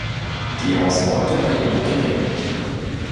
Die Ausbeute war jedoch gering.